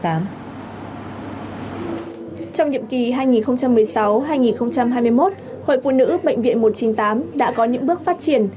trong nhiệm kỳ hai nghìn một mươi sáu hai nghìn hai mươi một hội phụ nữ bệnh viện một trăm chín mươi tám đã có những bước phát triển